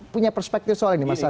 punya perspektif soal ini mas aldi